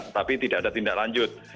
tapi tidak ada tindak lanjut